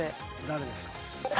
誰ですか？